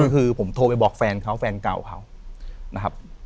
คือผมโทรไปบอกแฟนเขาแฟนเก่าเขานะครับ